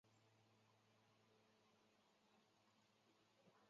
通讷人口变化图示